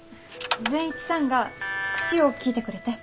善一さんが口を利いてくれて。